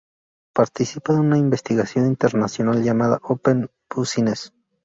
Participa de una investigación internacional llamada Open Business.